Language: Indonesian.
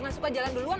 jangan suka jalan duluan